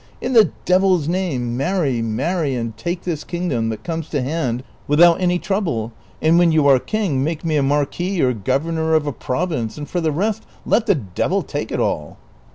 ^ In the devil's name, marry, marry, and take this kingdom that comes to hand without any trouble, and when you are king make me a marquis or governor of a province, and for the rest let the devil take it all."